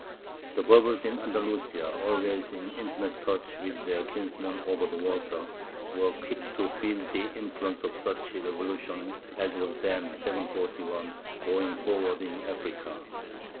The Berbers in Andalusia, always in intimate touch with their kinsmen over the water, were quick to feel the influence of such a revolution as was then (741) going forward in Africa.